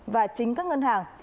và chính các ngân hàng